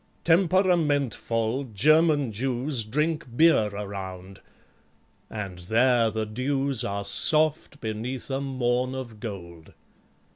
Temperamentvoll German Jews Drink beer around; and THERE the dews Are soft beneath a morn of gold.